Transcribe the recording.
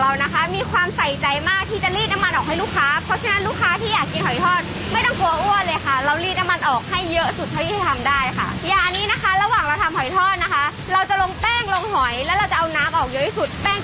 ร้านแห่งหอยทอดชาวเลกของเรานะคะ